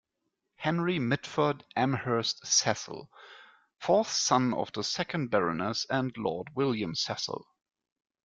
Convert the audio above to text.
Henry Mitford Amherst Cecil, fourth son of the second Baroness and Lord William Cecil.